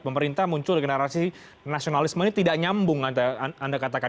pemerintah muncul generasi nasionalisme ini tidak nyambung anda katakan